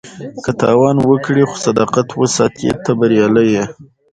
که تاوان وکړې خو صداقت وساتې، ته بریالی یې.